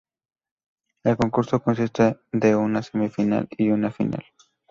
El concurso consiste de una semifinal y una final.